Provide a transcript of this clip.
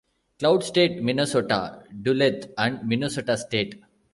Cloud State, Minnesota-Duluth, and Minnesota State.